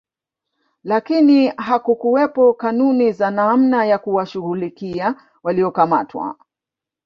Lakini hakukuwepo kanuni za namna ya kuwashughulikia waliokamatwa